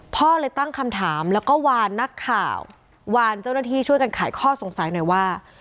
พ่อเลยตั้งคำถามแล้วก็วานนักข่าววานเจ้าหน้าที่ช่วยกันขายข้อสงสัยหน่อยว่า